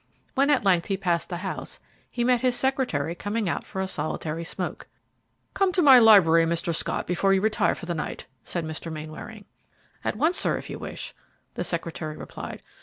When at length he passed into the house, he met his secretary coming out for a solitary smoke. "Come to my library, Mr. Scott, before you retire for the night," said Mr. Mainwaring. "At once, sir, if you wish," the secretary replied.